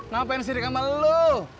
ngapain sirik ama lu